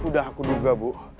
sudah aku duga bu